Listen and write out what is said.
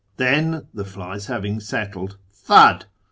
' Then, the flies having settled, timid